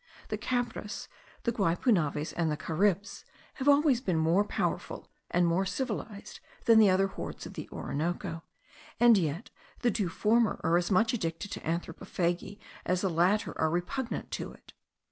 The Cabres, the Guipunaves, and the Caribs, have always been more powerful and more civilized than the other hordes of the Orinoco; and yet the two former are as much addicted to anthropophagy as the latter are repugnant to it.